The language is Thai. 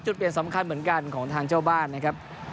จุดเปลี่ยนสำคัญเหมือนกันของทางเจ้าบ้านนะครับ